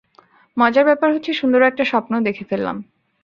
মজার ব্যাপার হচ্ছে, সুন্দর একটা স্বপ্নও দেখে ফেললাম।